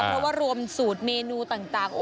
เพราะว่ารวมสูตรเมนูต่าง